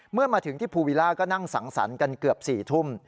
เมื่อมาถึงที่ภูวิล่าก็นั่งสังสรรค์กันเกือบ๔ทุ่ม